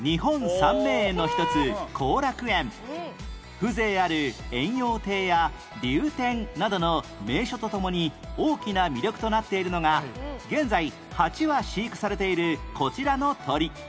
風情ある延養亭や流店などの名所とともに大きな魅力となっているのが現在８羽飼育されているこちらの鳥